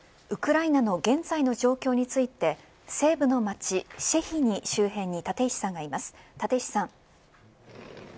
ウクライナの現在の状況について西部の町シェヒニ周辺に立石さんがいます。